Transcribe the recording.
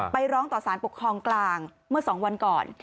ร้องต่อสารปกครองกลางเมื่อ๒วันก่อน